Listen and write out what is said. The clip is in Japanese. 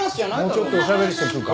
もうちょっとおしゃべりしてくるか。